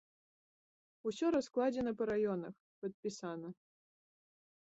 Усё раскладзена па раёнах, падпісана.